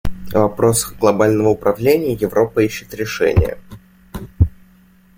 В вопросах глобального управления Европа ищет решения.